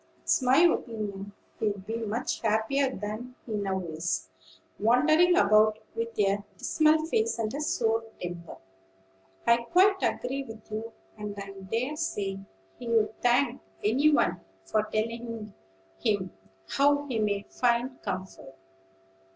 It's my opinion he'd be much happier than he now is, wandering about with a dismal face and a sour temper." "I quite agree with you; and I dare say he'd thank any one for telling him how he may find comfort.